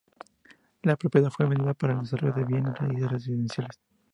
La propiedad fue vendida para el desarrollo de bienes raíces residenciales.